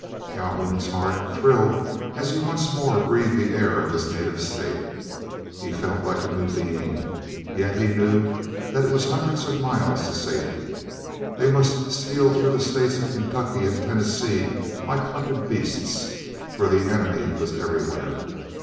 Calhoun's heart thrilled as he once more breathed the air of his native state. He felt like a new being, yet he knew that it was hundreds of miles to safety. They must steal through the states of Kentucky and Tennessee like hunted beasts, for the enemy was everywhere.